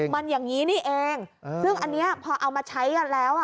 มันอย่างนี้นี่เองซึ่งอันนี้พอเอามาใช้กันแล้ว